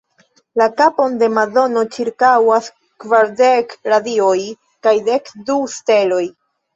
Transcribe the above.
La kapon de Madono ĉirkaŭas kvardek radioj kaj dek du steloj.